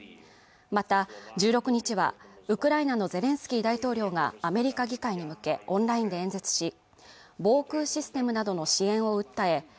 また１６日はウクライナのゼレンスキー大統領がアメリカ議会に向けオンラインで演説し防空システムなどの支援を訴え